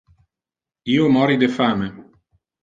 Io mori de fame.